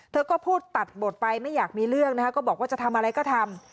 เธอก็พูดตัดบทไปไม่อยากมีเรื่องนะคะก็บอกว่าจะทำอะไรก็ทำ